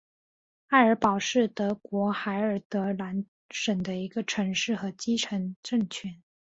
埃尔堡是荷兰海尔德兰省的一个城市和基层政权。